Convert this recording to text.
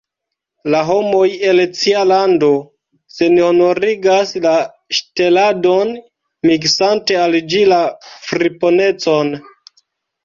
La homoj el cia lando senhonorigas la ŝteladon, miksante al ĝi la friponecon.